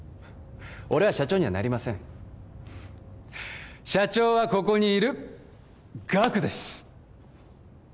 俺は社長にはなりません社長はここにいるガクです